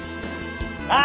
あ！